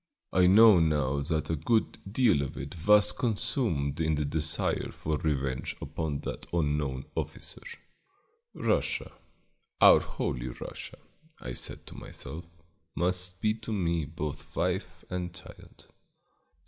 I know now that a good deal of it was consumed in the desire for revenge upon that unknown officer. Russia, our Holy Russia, I said to myself, must be to me both wife and child.